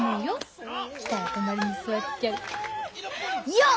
よっ！